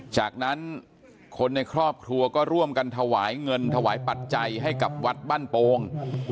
จากนั้นคนในครอบครัวก็ร่วมกันถวายเงินถวายปัจจัยให้กับวัดบ้านโป่ง